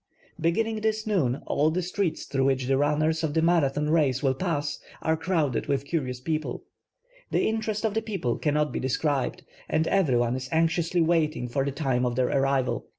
Beginning this noon, all the streets through which the runners of the Marathon race will pass, are crowded with curious people, idle interest of the people cannot be described and everyone is aiixioi sly waiting for tlie time of their arrival.